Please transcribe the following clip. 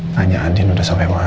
tanya andin udah sampai mana